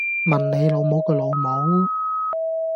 問你老母個老母